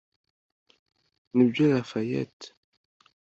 Nibyo Layfayette